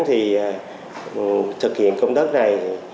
thì thực hiện công tác này